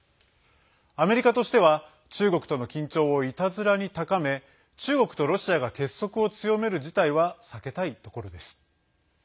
アメリカとしては中国との緊張をいたずらに高め中国とロシアが結束を強める事態は避けたいところです。